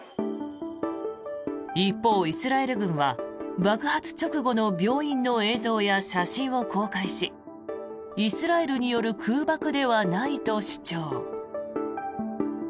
一方、イスラエル軍は爆発直後の病院の映像や写真を公開しイスラエルによる空爆ではないと主張。